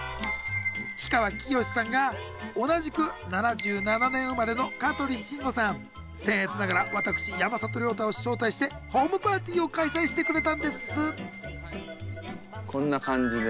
氷川きよしさんが同じく７７年生まれの香取慎吾さんせん越ながら私山里亮太を招待してホームパーティーを開催してくれたんです